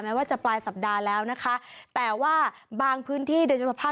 ว่าจะปลายสัปดาห์แล้วนะคะแต่ว่าบางพื้นที่โดยเฉพาะภาพ